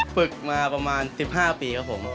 ฝึกมาประมาณ๑๕ปีครับผม